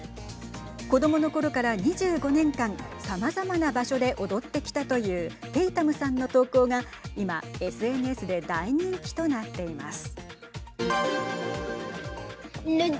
子どものころから２５年間さまざまな場所で踊ってきたというテイタムさんの投稿が今、ＳＮＳで大人気となっています。